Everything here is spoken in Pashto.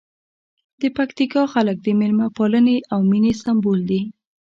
د پکتیکا خلک د مېلمه پالنې او مینې سمبول دي.